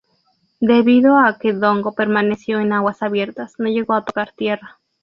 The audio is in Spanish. Debido a que Dongo permaneció en aguas abiertas, no llegó a tocar tierra.